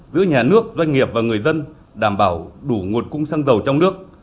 giữa nhà nước doanh nghiệp và người dân đảm bảo đủ nguồn cung xăng dầu trong nước